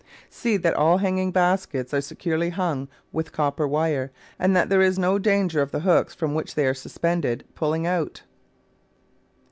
See that all hanging baskets are securely hung with copper wire, and that there is no danger of the hooks from which they are suspended pulling out.